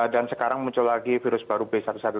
dan sekarang muncul lagi virus baru b satu ratus tujuh belas